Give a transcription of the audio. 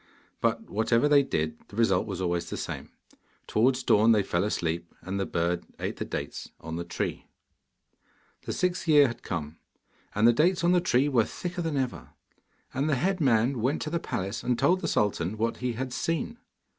But whatever they did, the result was always the same. Towards dawn they fell asleep, and the bird ate the dates on the tree. The sixth year had come, and the dates on the tree were thicker than ever. And the head man went to the palace and told the sultan what he had seen.